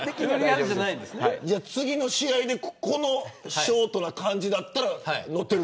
じゃあ次の試合でこのショートな感じだったら乗ってる。